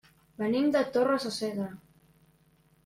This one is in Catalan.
Venim de Torres de Segre.